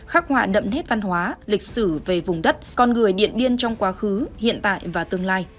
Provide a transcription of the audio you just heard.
khắc họa đậm nét văn hóa lịch sử về vùng đất con người điện biên trong quá khứ hiện tại và tương lai